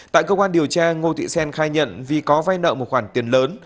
tại cơ quan điều tra ngô thị xen khai nhận vì có vai nợ một khoản tiền lớn